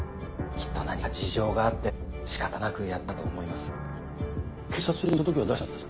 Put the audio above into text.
きっと何か事情があってしかたなくやったんだと思います。